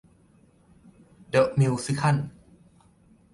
เดอะมิวสิคัล